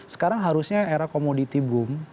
sekarang harusnya era komoditi boom